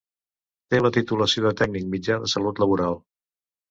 Té la titulació de tècnic mitjà de salut laboral.